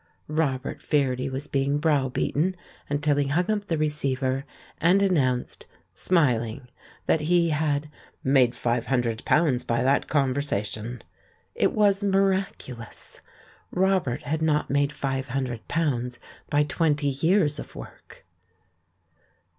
Robert feared he was being browbeaten until he hung up the receiver, and announced, smihng, that he had "made five hundred pounds by that conver sation." It was miraculous. Robert had not made five hundred pounds by twenty years of work.